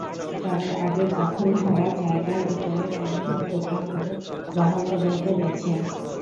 তবে আগের দখল হওয়া জায়গার ওপর নির্মিত দোকানগুলো বহাল তবিয়তে রয়েছে।